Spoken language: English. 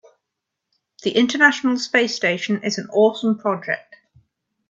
The international space station is an awesome project.